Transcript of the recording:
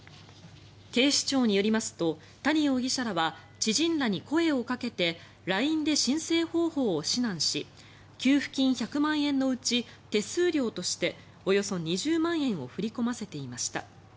警視庁によりますと谷容疑者らは知人らに声をかけてＬＩＮＥで申請方法を指南し給付金１００万円のうち手数料としておよそ２０万円を振り込ませていました。